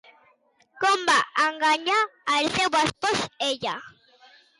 Com va enganyar al seu espòs ella?